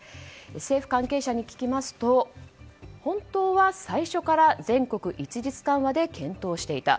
政府関係者に聞きますと本当は最初から全国一律緩和で検討していた。